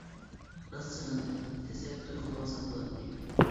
-راست سېغىندىم، تېزرەك توي قىلىۋالساق بولاتتى.